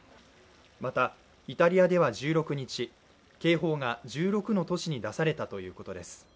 またイタリアでは１６日、警報が１６の都市に出されたということです。